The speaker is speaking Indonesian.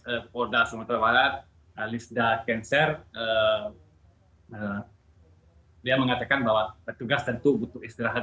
depoda sumatera barat alisda cancer eh dia mengatakan bahwa petugas tentu butuh istirahat